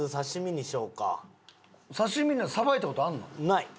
ない。